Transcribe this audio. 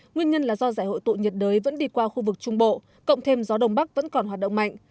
nguyên nhân là do giải hội tụ nhiệt đới vẫn đi qua khu vực trung bộ cộng thêm gió đông bắc vẫn còn hoạt động mạnh